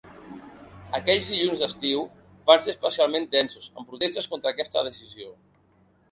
Aquells dilluns d’estiu van ser especialment tensos, amb protestes contra aquesta decisió.